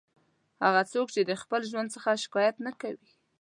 هغه څوک چې د خپل ژوند څخه شکایت نه کوي.